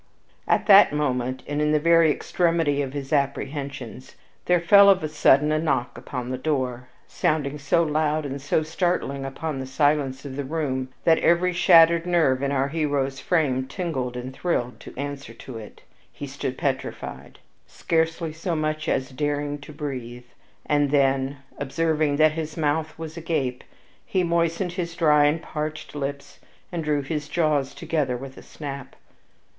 At that moment, and in the very extremity of his apprehensions, there fell of a sudden a knock upon the door, sounding so loud and so startling upon the silence of the room that every shattered nerve in our hero's frame tingled and thrilled in answer to it. He stood petrified, scarcely so much as daring to breathe; and then, observing that his mouth was agape, he moistened his dry and parching lips, and drew his jaws together with a snap.